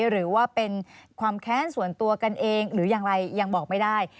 หรือว่าเป็นความแค้นส่วนตัวกันเองหรืออย่างไรยังบอกไม่ได้